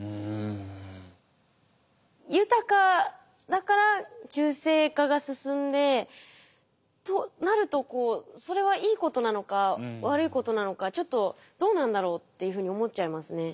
豊かだから中性化が進んでとなるとそれはいいことなのか悪いことなのかちょっとどうなんだろうっていうふうに思っちゃいますね。